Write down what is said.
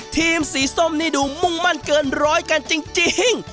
ทีมสีส้มนี่ดูมุ่งมั่นเกินร้อยกันจริง